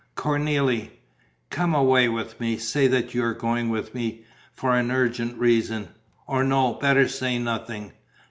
"Cornélie...." "Come away with me; say that you're going with me ... for an urgent reason. Or no ... better say nothing.